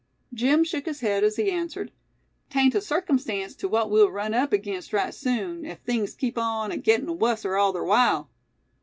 Jim shook his head as he answered: "'Tain't a circumstance tew what we'll run up aginst right soon, ef things keeps on a gettin' wusser all ther while."